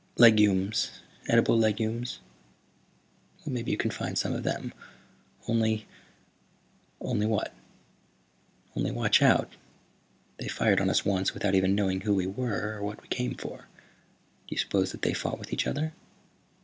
"Legumes. Edible legumes." "Maybe you can find some of them. Only " "Only what?" "Only watch out. They fired on us once without even knowing who we were or what we came for. Do you suppose that they fought with each other?